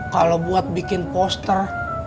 kalau buat bikin poster